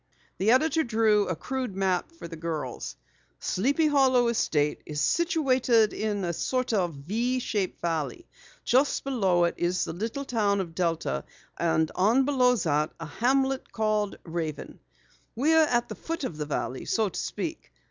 The editor drew a crude map for the girls. "Sleepy Hollow estate is situated in a sort of 'V' shaped valley. Just below it is the little town of Delta, and on below that, a hamlet called Raven. We're at the foot of the valley, so to speak.